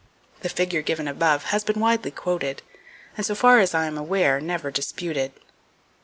The figure given above has been widely quoted, and so far as I am aware, never disputed.